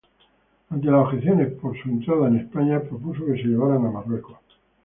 Ante las objeciones para su entrada en España, propuso que se llevaran a Marruecos.